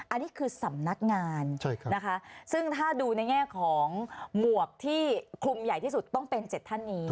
อันนี้คือสำนักงานนะคะซึ่งถ้าดูในแง่ของหมวกที่คลุมใหญ่ที่สุดต้องเป็น๗ท่านนี้